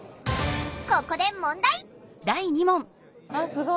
ここで問題！